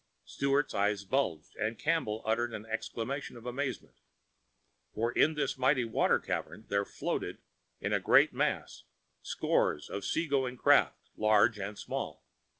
Sturt's eyes bulged and Campbell uttered an exclamation of amazement. For in this mighty water cavern there floated in a great mass, scores of sea going craft, large and small.